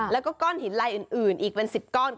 แล้วก็ก้อนหินลายอื่นอีกเป็น๑๐ก้อน